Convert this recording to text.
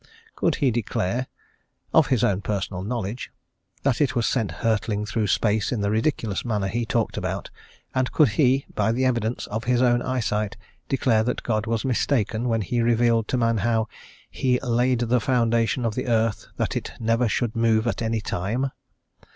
Could he declare, of his own personal knowledge, that it was sent hurtling through space in the ridiculous manner he talked about, and could he, by the evidence of his own eye sight, declare that God was mistaken when He revealed to man how He "laid the foundation of the earth that it never should move at anytime?"